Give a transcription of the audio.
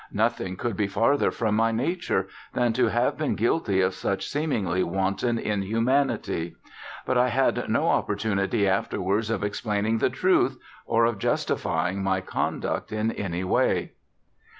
Nothing could be farther from my nature than to have been guilty of such seemingly wanton inhumanity; but I had no opportunity afterwards of explaining the truth, or of justifying my conduct in any way.